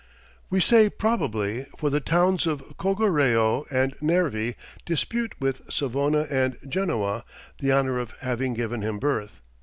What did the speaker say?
We say "probably," for the towns of Cogoreo and Nervi dispute with Savona and Genoa, the honour of having given him birth.